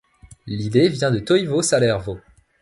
L'idée vient de Toivo Salervo.